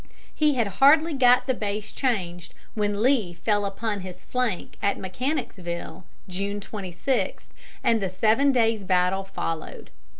He had hardly got the base changed when Lee fell upon his flank at Mechanicsville, June 26, and the Seven Days' battle followed.